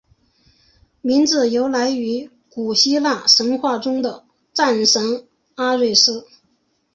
名字由来于古希腊神话中的战神阿瑞斯。